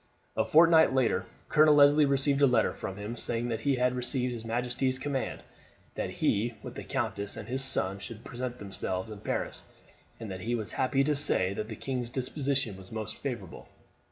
A fortnight later Colonel Leslie received a letter from him, saying that he had received his majesty's command that he with the countess and his son should present themselves in Paris, and that he was happy to say that the king's disposition was most favourable.